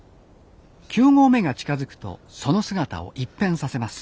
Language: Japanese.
九合目が近づくとその姿を一変させます